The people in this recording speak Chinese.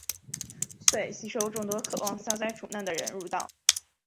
遂吸收众多渴望消灾除难的人入道。